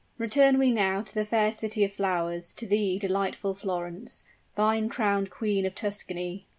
Return we now to the fair city of flowers to thee, delightful Florence vine crowned queen of Tuscany!